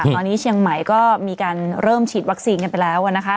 ตอนนี้เชียงใหม่ก็มีการเริ่มฉีดวัคซีนกันไปแล้วนะคะ